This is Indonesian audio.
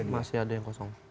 masih ada yang kosong